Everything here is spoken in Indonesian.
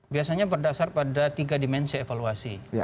biasanya berdasar pada tiga dimensi evaluasi